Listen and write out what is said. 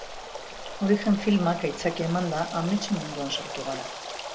Origen filmak aitzakia emanda, ametsen munduan sartu gara.